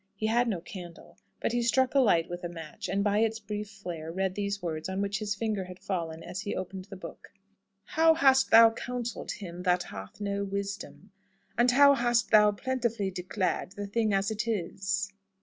He had no candle; but he struck a light with a match, and, by its brief flare, read these words, on which his finger had fallen as he opened the book: "How hast thou counselled him that hath no wisdom? And how hast thou plentifully declared the thing as it is?